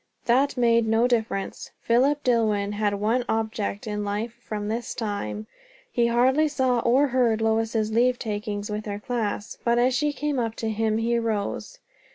That made no difference. Philip Dillwyn had one object in life from this time. He hardly saw or heard Lois's leave takings with her class, but as she came up to him he rose.